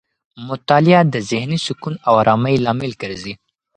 مطالعه د ذهني سکون او آرامۍ لامل ګرځي.